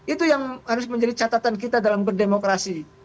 itu yang harus menjadi catatan kita dalam berdemokrasi